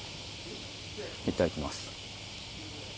いただきます。